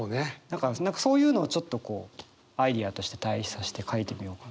だから何かそういうのをちょっとこうアイデアとして対比さして書いてみようかな。